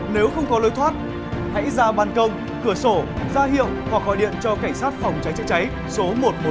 nếu không có lối thoát hãy ra bàn công cửa sổ ra hiệu hoặc gọi điện cho cảnh sát phòng cháy chữa cháy số một trăm một mươi bốn